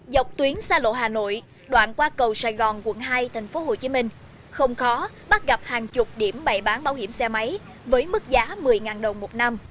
dọc tuyến xa lộ hà nội đoạn qua cầu sài gòn quận hai tp hcm không khó bắt gặp hàng chục điểm bày bán bảo hiểm xe máy với mức giá một mươi đồng một năm